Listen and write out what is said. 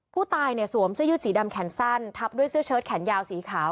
ผู้ตายเนี่ยสวมเสื้อยืดสีดำแขนสั้นทับด้วยเสื้อเชิดแขนยาวสีขาว